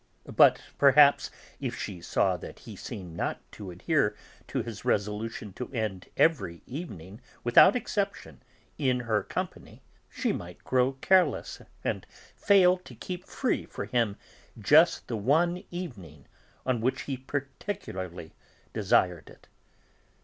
But perhaps, if she saw that he seemed not to adhere to his resolution to end every evening, without exception, in her company, she might grow careless, and fail to keep free for him just the one evening on which he particularly desired it.